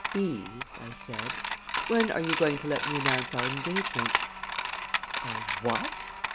"Eve," I said, "when are you going to let me announce our engagement?" "Our what?"